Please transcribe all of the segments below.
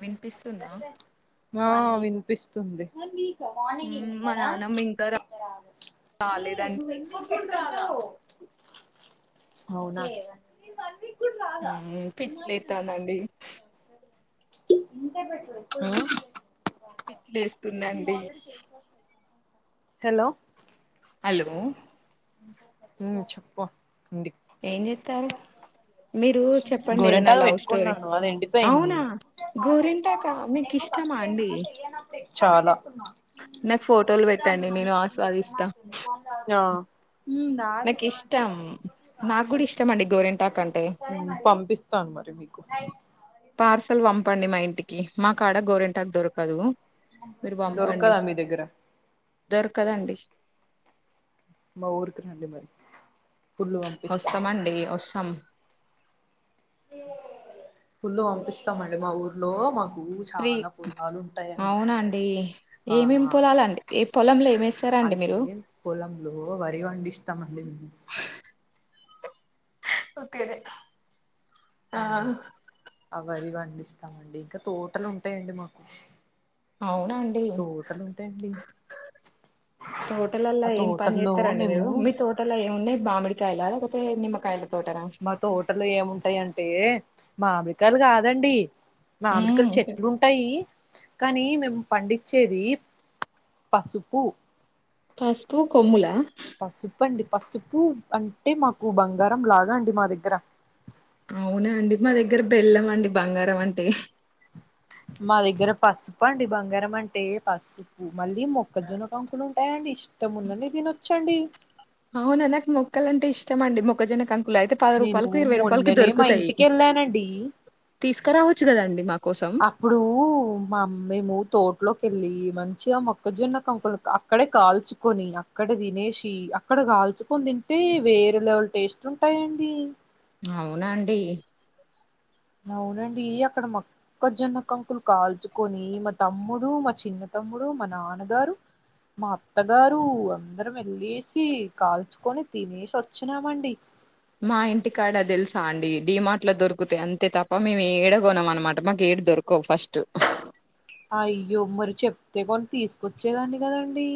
వినిపిస్తుందా ఆ వినిపిస్తుంది మ్మ్ మా నాన్నమ్మ ఇంకా రాలేదండి [unintelligible] అవునా ఊ ఉ పిచ్చిలేత్తాందండి హు పితిలేస్తుందండి హలో హలో హ్మ్ చెప్పు ఉంది ఏం జెత్తారు మీరు చెప్పండి ఏదన్న గోరెంటాకు లవ్ స్టోరీ పెట్టుకున్నాను అది ఎండిపోయింది అవునా గోరింటాకా మీకు ఇస్ చాలా నాకు ఫోటోలు పెట్టండి నేను ఆస్వాదిస్తా న్యా నాకు ఇష్టం నాకు గూడా ఇష్టం అండి గోరి ట కంటే ఆ పంపిస్తాను మరి మీకు పార్సీల్ పంపండి మా ఇ టికి మా కాడ గోరింటాకు దొరకదు. మీరు పంపండి దొరకదా మీ దగ్గర దొరకదండి మా ఊరుకి రండి మరి పుల్లు పంపిస్తా వస్తమండి వసాం ఫుల్లు పంపిస్తామండి మా ఊర్లో మాక్ ఫ్రీ అవునండి ఆ ఏమేమి పొలాలండి ఏ పొలంలో ఏమేసారు అ అంటే పొలంలో వరి వండిస్తామండి మేము ఓకే ఆహా అ వరి వండిస్తామండి ఇంకా తోటలు ఉంటాయండి మాకు. అవునాండి తోటలు ఉంటాయండి తోటలలో ఆ ఏం పని తోటల్లో జేస్తరండి మేము మీరు మీ తోటలో ఏమిన్నాయ్ మామిడి కయలా లేతే నిమ్మకాయల తోటనా మా తోటలో ఏముంటాయంటే మామిడికాయ్ లు కాదండి. మ్మ్ మామిడికళ్ళ్ చెట్లు ఉంటాయి. కానీ మేము పండించేది పసుపు. పసుపు కొమ్ములా పసుపు అండి పసుపు అంటే మాకు బంగారం లాగా అండి మా దగ్గర అవునా అండి మా దగ్గర బెల్లం అండి బంగారం అంటే మా దగ్గర పసుపు అండి బంగారం అంటే పసుపు మళ్ళీ మొక్కజొన్న కంకులు టాయ్ అండి ఇష్టంమున్నని దినొచ్చండి అవునా నాక్ మొక్కల్ అంటే ఇష్టమండి మొక్కజొన్న కం లు అయితే పద నేను రూపాయల్కి ఇరవై రూపాయల్కి మొన్ననే మా దొరుకుతాయి ఇంటికి వెళ్ళానండి తీస్కరావచ్చు గదండి మాకు. అప్పుడు మా అమ్మ ఏమో తోట్లోకి వెళ్ళి మంచిగా మొక్కజొన్న కంకులు అక్కడే కాల్చుకొని అక్కడ దినేసి అక్కడ కాల్చుకొన్ ది టే వేరే లెవల్ టేస్ట్ ఉంటాయండి అవునాండి అవునండి అక్కడ మొక్క జొన్న కంకులు కాల్చుకొని మా తమ్ముడు మా చిన్న ద్ తమ్ముడు మ నాన్నగారు మా అత్తగారు అందరం ఎళ్ళేసి కాల్చుకొని తినేసి వచ్చినామండి మా ఇంటికాడ దెలుసా అండి డిమార్ట్ లో దొరుకుతాయ్ అంతే తప్ప మేము ఏడ గొనం అన్నమాట మాకే ఎడ్ దొరకవు ఫస్ట్ అయ్యో మరి చెప్తే కొని తీస్కొచ్చేదాన్ని కదండీ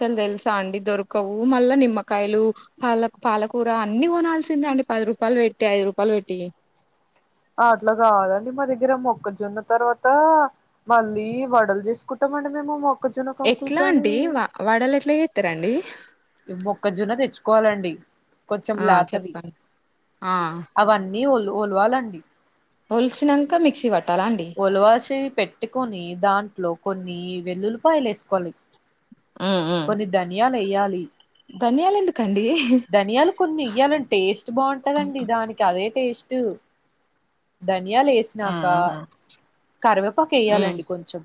అసల్ తెలుసా అండి దొరకవు మళ్ళ నిమ్మకాయలు పాల పాలకూర అన్ని గొనాల్సిందే అండి రూపాల్ బెట్టి ఐద్ రూపాల్ బెట్టి అ అట్లా కాదండి మా దగ్గర మొక్కజొన్న తర్వాత మళ్ళీ వడలు జేస్కుంటం మనమేమో మొ క్కజొన్న కంకుల్ ఎట్లా తోని అండి వా వడలు ఎట్లా చేస్తారండి మొక్కజొన్న తెచ్చుక్ కోవాలండి కొంచెం ఆ లేతవి చెప్పండి ఆ అవన్నీ వల్ వల్వాలండి ఓల్సినంక మిక్స వాట్ ఉలువాసె పెట్టుకొని దాంట్లో కొన్ని వెల్లులిపాయలు వేసుకోవాలి ఉమ్ ఉమ్ కొన్ని ధన్యాలెయ్యాలి ధనియాలు ఎందుకండి ధనియాలు కొన్ని ఏయ్యాలం టేస్ట్ బాగుంటదండి దానికి అదే టేస్ట్ ధన్యాలు ఏసినాక ఆహా కరివేపాక ఉమ్ ఏయాలండి కొంచెం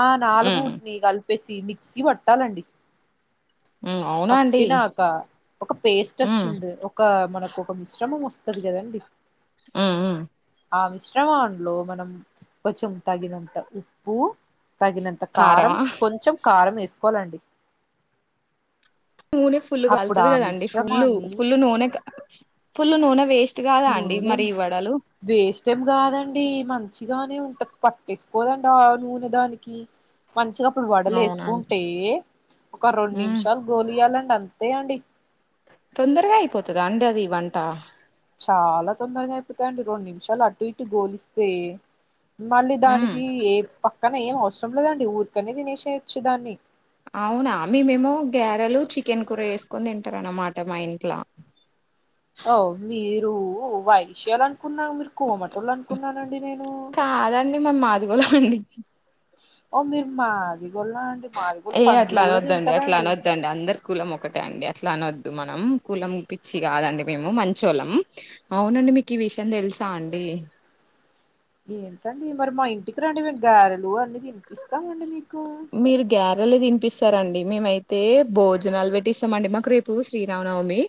ఆ నాలుగు ఉమ్ ఉత్తి కల్ ప్పేసి మిక్సీ పట్టాలండి ఉమ్ అవునా అండి పట్టినాక ఒక పేస్ట్ ఉమ్ వచ్చింది ఒక మనకు ఒక మిశ్రమం వస్ స్తది కదండి ఆ ఆ ఆ మిశ్రమంలో మనం కొంచెం తగినంత ఉప్పు తగినంత కారం కారమా కొంచెం కారం వేసుకోవాలండి నూనె ఫుల్లు అప్పుడు కల్తాది ఆ కదండి ఫుల్ మిశ్రమాన్ని ఫుల్లు నూనె ఫుల్ నూనె వేస్ట్ కాదా అండి నూనేం మరి ఈ వడలు వేస్ట్ ఏం కాదండి మం మంచిగానే ఉంటది పట్టేసుకోదటా ఆ నూనె దానికి మంచిగా అప్పుడు వడలు అవునండి వేసుకుంటే ఒక రెండు ఉమ్ నిమిషాలు గోలియ్యాలండి అం తేయండి తొందరగా అయిపోతదా అండి అది వంట చాలా తొందరగా అయిపోతాయండి రెండు నిమిషాలు అడ్టు ఇటు గోలిస్తే మళ్ళీ ఉమ్ దానికి ఏ పక్కన ఏం అవసరం లేదండి ఊరికనే తినేసేయోచ్చు దాన్ని అవునా మేమేమో గ్యారెలు చికెన్ కూర చేసుకొని తింటారాన్నమాట మా ఇంట్ల ఓ మీరు వైషయాలం కున్నా మీరు కోమటోళ్ళు అనుకున్నానండి నేను కాదండి మేము మాదిగోళ్ళం [inaudible] ఓ మీర్ మా ఏ అట్లా అనోద్దండి తింటారా అట్లా అండి అనోద్దండి అందరి కులం ఒకటే అండి అట్లా అనోద్దు మనం కులం పిచ్చి కాదండి మేము మంచోల్లం అవునండి మీకు ఈ విషయం తెలుసు సాండి ఏంటండి మరి మా ఇంటికి రండి మేము గారెలు అన్ని తినిపిస్తామండి మీకు మీరు గ్యారలు తిన్పిస్ స్తారండి అండి మేమయితే భోజనాలు పెట్టిస్తామండి మాకు రేపు శ్రీరామనవమి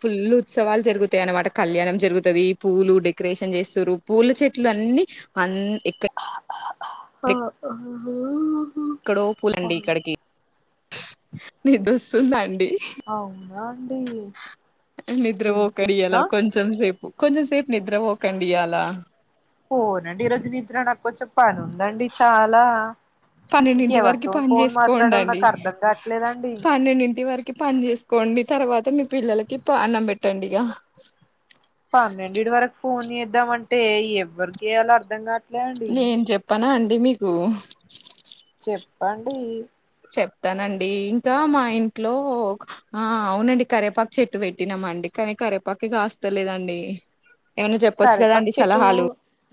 ఫుల్ ఉత్స వాల్ జరుగుతాయ అనమాట కళ్యాణం జరుగుతది పూలు డెకరేషన్ చేస్తుర్రూ పూల చెట్లు అన్నీ అన్ [unintelligible] ఇక్కడో పూలండి ఇక్కడికి నేన్ దొస్తుందా అండి అవునా అండి నిద్ర పోకండియాల వినిపిస్తా కొంచెం సేపు కొంచెం సేపు నిద్ర వోకండియాల పోనండి ఈ రోజు నిద్ర నాకు కొంచెం పని ఉందండి చాలా పన్నెండింటి వరకి ఇంకెవరితో పని ఫోన్ మాట్లాడాలో చేసుకొండండి నాకు అర్థం కావట్లేదండి పన్నెండింటి వరకి పని చేసుకో డి తర్వాత మీ పిల్లలకి అన్నం పెట్టండి ఇగ పన్నెండిటి వరకు ఫోన్ చేద్దాం అంటే ఎవ్వరియేలో అర్ధం కాట్ నేను చెప్పనా అండి మీకు చెప్పండి చెప్తానండి ఇంకా మా ఇంట్లో ఆ అవునండి కరేపాక్ చెట్టు పెట్టినాం అండి కానీ కరేపాకే కాస్తలేదండి ఏమన్నా చెప్పొచ్చు కరెపాకు కదండి చెట్టు సలహాలు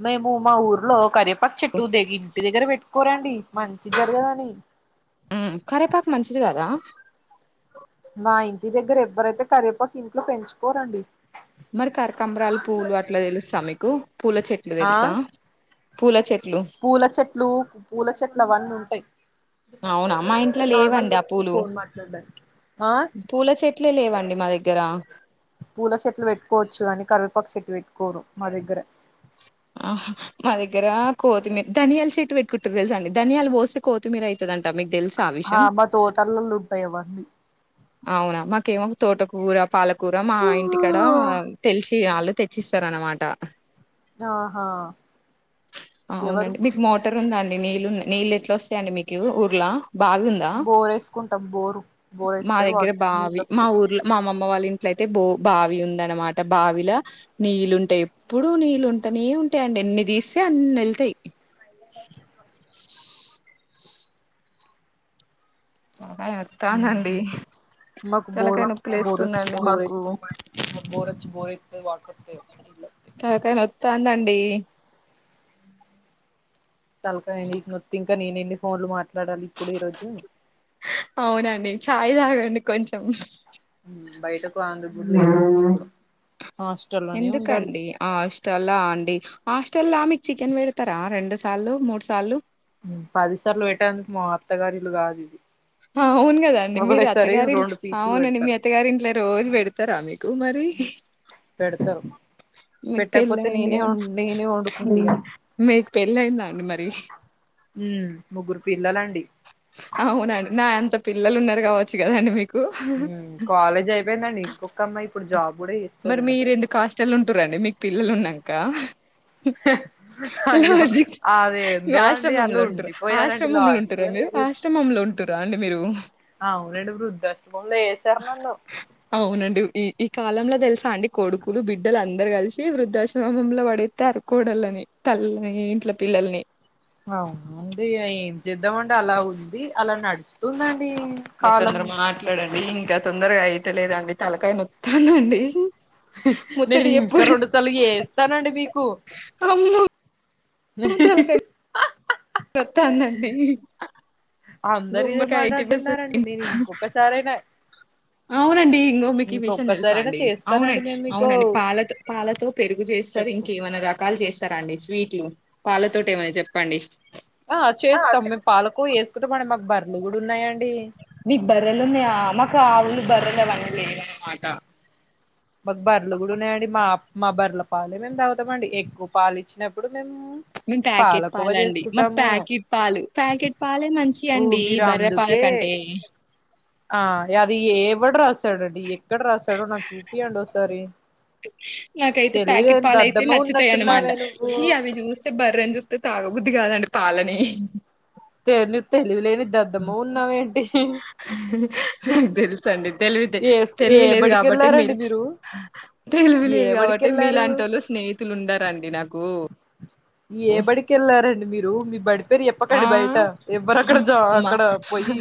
మేము మా ఊర్లో కరెపాక్ చెట్టు దెన్ ఇంటి దగ్గర పెట్టుకోరండి మంచి జరగదని హ్మ్. కరేపాకు మంచిది కదా మా ఇంటి దగ్గర ఎవ్వరైతే కరివేపాకి ఇంట్లో పెంచుకోరండి మరి కనాకంబరాలు పూలు అట్లా తెలుసా మీకు పూల చెట్లు ఆ తెలుసా పూల చెట్ పూల చెట్లు పూల చెట్లు అవన్నీ ఉంటాయి అవునా మా ఇంట్లో నార్మల్గా లేవండి ఆ వచ్చిన పూలు ఫోన్ మాట్లాడడానికి ఆ పూల చెట్ ఇట్ల లేవండి మా దగ్గర పూల చెట్లు పెట్టుకోవచ్చు అని కరివేపా చెట్టు పెట్టు కోరు మా దగ్గర ఆహా! మా దగ్గర కొత్తిమీర ధనియాలు చెట్టు పెట్టుకుంటారు తెలుసండి ధనియాలు పోస్తే కోతిమీర ఐతదండి అంట మీకు తెల్స ఆ విషయం మా తోటలలో ఉంటాయి అవన్నీ అవునా మాకేమో తోటకూర పాలకూర మా ఇంటి కాడ తెలిసి వాళ్ళు తెచ్చిస్తారు అనమాట ఆహా ఆ ఎవరు అవునండి మీకు మోటార్ ఉందాండి నీళ్లు నీళ్ళలు ఎట్లా వస్తాయండి మీకు ఊర్లా బావి ఉందా? బోర్ వేసుకుంటాం బోరు బోరె మా దగ్గర బావి మా ఊర్లో మా మామ్మమ్మ వాళ్ళ ఇంట్లో అయితే బో బావి ఉంద అనమాట బావిల నీళ్ళు ఉంటయి ఎప్పుడు నీళ్ళు ఉంటనే ఏ ఉంటాయండి ఎన్ని తీస్తే అన్ని ఎళ్తయి ఏమైంది [unintelligible] సరే అతందండి మాకు బోరు తలకాయ్ నొప్పి లేస్తుందండి మాకు మాక్ బోరచ్చి బోరేత్తే వాటరత్తే ఈలకీ తలకాయ్ నొత్తదండి తలకాయ్ నీకు నోతే ఇంకా నేను ఎన్ని ఫోన్లు మాట్ నడాలి ఇప్పుడు ఈరోజు సాయ్ తాగండి కొంచెం ఊ బయటకు అ [unintelligible] ఎందుకండి హాస్టల్ ఆ అండి హాస్టల్ల ఆ మీకు చికెన్ పెడతారా రెండు సార్లు మూడు సార్లు ఊ పదిసార్లు పెట్టేందుకు మా అత్తగారిలు కాదు ఇది అవును కదండి మీరు ఒకటేసారి అత్తగారిలు రెండు పీసులు అవునండి మీ పెడతారు అత్తగారి ఇంట్లో రోజు పెడతారా మీకు మరి పెడతారు మీకు పెళ్ళి పెట్టకపోతే నేనేం నేనే వండుకుంటిగ మీక్ పెళ్ళి అయిందా అండి మరి ఊ ముగ్గురు పి అవునండి నా అంత పిల్లలు ఉన్నారు కావచ్చు కదండి మీకు ఊ కాలేజ్ అయిపోయిందండి ఇంకొక అమ్మాయి ఇప్పుడు జాబ్ కూడా మరి చేస్తదండి మీర్ ఎందుకు హాస్టల్ ఉంటుారండి మీకు పిల్లలు ఉన్నాక ఉ అయ్యో లాజిక్ మీ అదేందో అండి అలా ఆశ్రమంలో ఉంటరు ఉండిపోయానండి ఆశ్రమంలో ఉంటరా లాజికే మీరు లేదు ఆశ్రమంలో ఉంటురా అండి మీరు అవునండి వృద్ధాశ్రమంలో ఏసారు నన్ను అవునండి ఈ ఈ కాలంల తెలుసా అండి కొడుకులు బిడ్డలు అందరు కలిసి వృద్ధాశ్రమంలో పడితరు కోడళని తల్లుల్ని ఈంట్ల పిల్లల్ని అవును అండి ఇగ ఏం చేద్దామండి అలా ఉంది ది అలా నడుచుతుందండి కాలం ఈ ఇంకా తొందరగా అయితేలేదండి తలకాయన నోత్తందండి నేను ఇంకా రెండుసలు ఏస్తానండి మీకు అమ్మో [unintelligible] కొత్తాందండి అందరి ఇదే మాటనుతున్నారండి నేను ఇంకొకసారైనా సండి ఇంగో మీకు ఈ విషయం తెలుస ఇంకొక్కసారైనా అండీ చేస్తానండి అవునండి మేము అవునండి మీకు అవునండి పాల పాలతో పెరుగు చేస్తారు చెప్పు ఇంకేమనా రకాల రకాలు చేస్తారా అండి స్వీట్లు పాలతోటి ఏమన్నా చెప్పండి ఆ చేస్తాం మేము పాలకొవ చేసుకుంటా మన మాకు బర్రలు కూడా ఉన్నాయండి మీకు బరెలు ఉన్నాయా మాకు ఆవులు బర్రలవన్ని లేవన్నమాట మాకు బర్రలు కూడా ఉన్నాయండి మా మా బర్ర పాలు మేము దాగుతామండి ఎక్కువ పాలు ఇచ్చినప్పుడు మేము మేము ప్యాకెట్ పాలకోవ పాలండి. మాకు చేసుకుంటాము ప్యాకెట్ పాలు ప్యాకెట్ పాలే మంచియి ఓ అండి. మీరు బర్రెపాల అందుకే కంటే ఏ ఆ అది ఎవడు రాసాడండి ఎక్కడ రాసాడో నా చూ ఇయ్యండి ఓసారి నాకైతే ప్యాకెట్ పాల అయితే నచ్చుతాయ్ అనమాట ఉన్నట్టున్నావే నువ్వు చీ అవి జుస్తే బర్రని జుత్తే తాగబు బుద్ధి కాదండి పాలని తెలివి తెలివిలేని దద్దమ్మ ఉన్నావేంటి తెలుసండి తెలివితే ఏ ఏ తెలివిలేదు బడికి కాబట్టి వెళ్ళారండి మీరు తెలివి ఏ లేదు బడికి కాబట్టి వెళ్ళారు మీలాంటి ఓళ్ళు స్నేహితులు ఉండారండి నాకు ఏ బడికి వెళ్ళారండి మీరు మీ బడి మీరు ఆ ఎప్పకండి బయట ఎవ్వరు అక్కడ జ మా అక్కడ పోయ్యి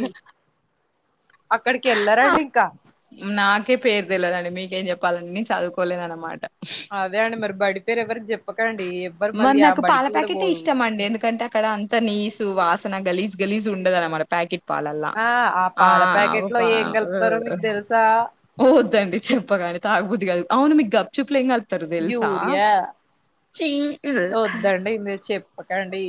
నాకే పేరుదేలదాండి మీకేం చెప్ పాలన్నీ చదువుకోలేదన్నమాట అదేఅండి మరి బడి పేరు ఎవరి మరి నాకు పాల ప్యాకెటే పోరు ఇష్టం అండి ఎందుకంటే అక్కడ అంత నీసు వాస నా గలీస్ గలీస్ ఉండదనమాట ప్యాకెట్ పాలల్ల ఆ ఆ పాల ఆవు ప్యాకెట్ లో పా ఏం కలుపుతారో మీకు తెలుసా వద్దండి చెప్పగాని తాగబుద్ది గాదు. అవును మీకు గప్ చూపులు ఏం గలప్ యూరియా వద్దండి ఇంగ చెప్పకండి.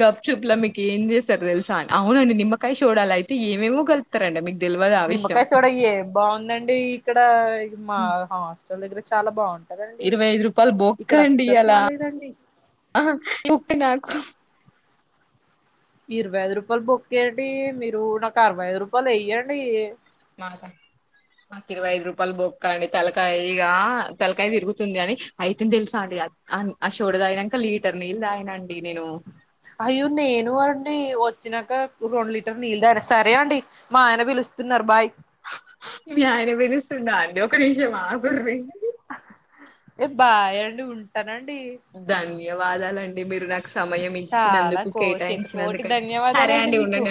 గప్ చూపులా మీకు ఏం చేస్తారు. తెలుసా అని అవునండి నిమ్మకాయ సోడాల అయితే ఏమేమో కలుపుతారండి మీకు తెలవదు ఆ విషయం నిమ్మకాయ సోడ ఏ బాగుందండి ఇక్కడ మా హాస్టల్ దగ్గర చాలా బాగు ఇరవై ఐదు రూపాయల్ బొక్కండి ఆ బాలేదండి ఉప్ప నాకు ఇరవై ఐదు రూపాయలు బొక్కెండి మీరు నాకు అరవై ఐదు రూపాయలు వే. మాకా మాకు ఇరవై ఐదు రూపాయలు బొక్క అండి తలకాయ ఇగా తలకాయ తిరుగుతుంది అని అయితేంది తెలుసా అండి ఆ చోడదాగినంక లీటర్ నీళ్ళు తాగినండి నేను అయ్యో నేను అండి వచ్చినాక రెండు లీటర్ నీళ్ళుదాగానా సరే అండి మా ఆయన బిల్ ఇస్తున్నారు బాయ్ మీ ఆయానా విలుస్తుండా అండి ఒక నిమిషం ఆగుర్రి ఏ బాయ్ అండి ఉంటానండి. ధన్యవాదాలండి. మీరు నాకు సమయం చాలా ఇచ్చినందుకు కో శతకోటి కేటాయించినందుకు ధన్యవాదాలండి మీకు